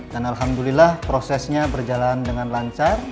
dan alhamdulillah prosesnya berjalan dengan lancar